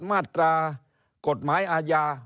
มาตรากฎหมายอาญา